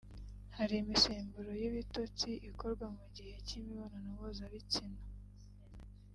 Hari imisemburo y’ibitotsi ikorwa mu gihe cy’imibonano mpuzabitsina